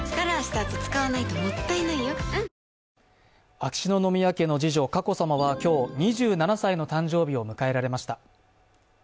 秋篠宮家の次女・佳子さまは今日、２７歳の誕生日を迎えられました。